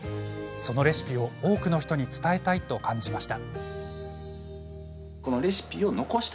そのレシピを多くの人に伝えたいと感じました。